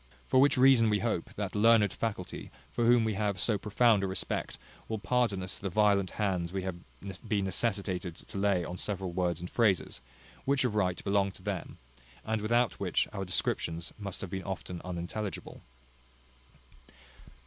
For which reason, we hope, that learned faculty, for whom we have so profound a respect, will pardon us the violent hands we have been necessitated to lay on several words and phrases, which of right belong to them, and without which our descriptions must have been often unintelligible.